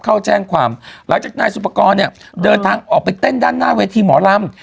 เข้าแจ้งความหลังจากนายสุปกรณ์เนี่ยเดินทางออกไปเต้นด้านหน้าเวทีหมอลำ